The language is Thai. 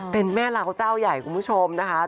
เป็นแม่ลาวเจ้าใหญ่คุณผู้ชมนะคะ